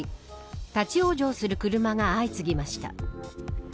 立ち往生する車が相次ぎました。